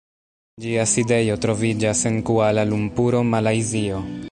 Ĝia sidejo troviĝas en Kuala-Lumpuro, Malajzio.